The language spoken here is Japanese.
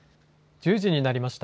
１０時になりました。